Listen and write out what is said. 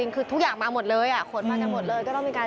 คือทุกอย่างมาหมดเลยบ้างขนมากันหมดเลย